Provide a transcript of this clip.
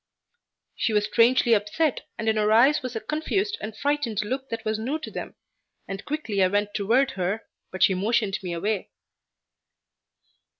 She was strangely upset and in her eyes was a confused and frightened look that was new to them, and quickly I went toward her, but she motioned me away.